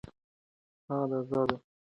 هغه د آزادو ټاکنو غوښتونکی دی.